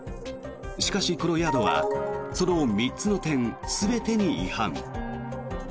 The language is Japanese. しかし、このヤードはその３つの点全てに違反。